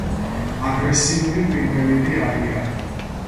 აგრესიული ფრინველები არიან.